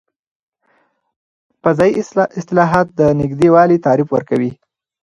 فضايي اصطلاحات د نږدې والي تعریف ورکوي.